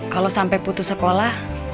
kalo sampe putus sekolah